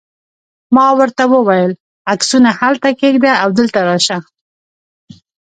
ما ورته وویل: عکسونه هلته کښېږده او دلته راشه.